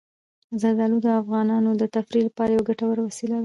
زردالو د افغانانو د تفریح لپاره یوه ګټوره وسیله ده.